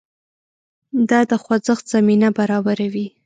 دا د خوځښت زمینه برابروي.